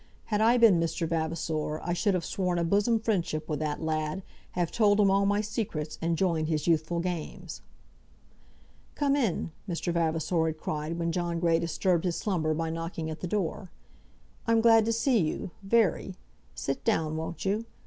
Had I been Mr. Vavasor I should have sworn a bosom friendship with that lad, have told him all my secrets, and joined his youthful games. "Come in!" Mr. Vavasor had cried when John Grey disturbed his slumber by knocking at the door. "I'm glad to see you, very. Sit down; won't you?